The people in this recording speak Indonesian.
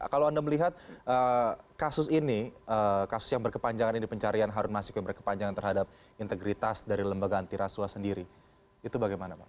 kalau anda melihat kasus ini kasus yang berkepanjangan ini pencarian harun masiku yang berkepanjangan terhadap integritas dari lembaga antiraswa sendiri itu bagaimana pak